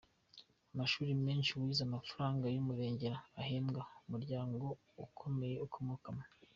Amashuri menshi wize, amafaranga y’umurengera uhembwa, umuryango ukomeye ukomokamo .